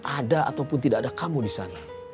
ada ataupun tidak ada kamu di sana